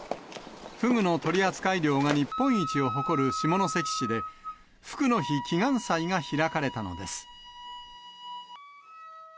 フグの取扱量が日本一を誇る下関市で、ふくの日祈願祭が開かれたのです。